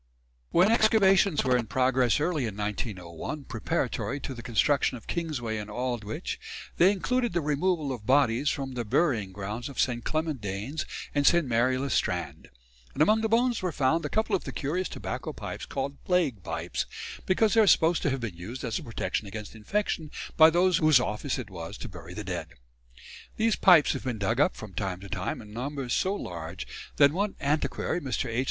When excavations were in progress early in 1901, preparatory to the construction of Kingsway and Aldwych, they included the removal of bodies from the burying grounds of St. Clement Danes and St. Mary le Strand; and among the bones were found a couple of the curious tobacco pipes called "plague pipes," because they are supposed to have been used as a protection against infection by those whose office it was to bury the dead. These pipes have been dug up from time to time in numbers so large that one antiquary, Mr. H.